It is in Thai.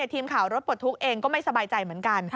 ทีมข่าวรถปลดทุกข์เองก็ไม่สบายใจเหมือนกัน